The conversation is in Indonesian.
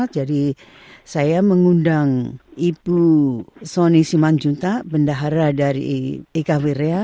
jadi saya mengundang ibu soni simanjunta bendahara dari ika wiria